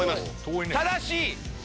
ただし。